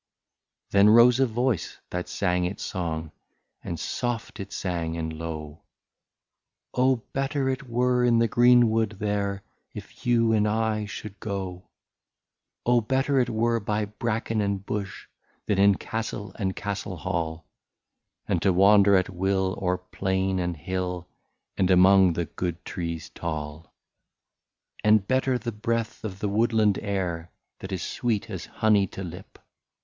Then rose a voice that sang its song. And soft it sang and low :" Oh ! better it were in the greenwood there, If you and I should go ; 71 Oh ! better it were by bracken and bush, Than in castle and castle hall, And to wander at will o'er plain and hill, And among the good trees tall ;" And better the breath of the woodland air. That is sweet as honey to lip.